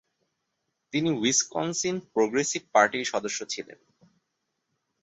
তিনি Wisconsin progressive পার্টির সদস্য ছিলেন।